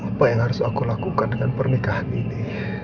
apa yang harus aku lakukan dengan pernikahan ini